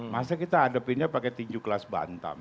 masa kita hadapinnya pakai tinju kelas bantam